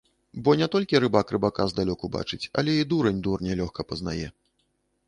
Бо не толькі рыбак рыбака здалёку бачыць, але і дурань дурня лёгка пазнае.